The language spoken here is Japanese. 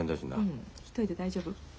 うん一人で大丈夫？